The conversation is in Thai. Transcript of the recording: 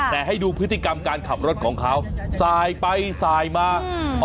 แต่ให้ดูพฤติกรรมการขับรถของเขาสายไปสายมาอืม